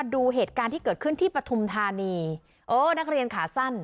ดูเหตุการณ์ที่เกิดขึ้นที่ปฐุมธานีเออนักเรียนขาสั้น